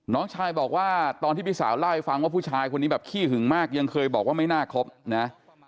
น้องชายบอกว่าตอนที่พี่สาวเล่าให้ฟังว่าผู้ชายคนนี้แบบขี้หึงมากยังเคยบอกว่าไม่น่าคบนะ